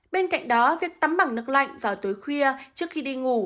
bên cạnh đó việc tắm bằng nước lạnh vào tối khuya trước khi đi ngủ